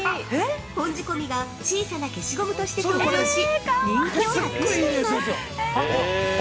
本仕込が小さな消しゴムとして登場し、人気を博しています！